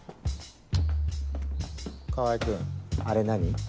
川合君あれ何？